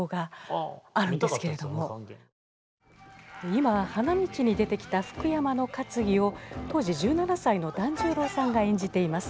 今花道に出てきた福山のかつぎを当時１７歳の團十郎さんが演じています。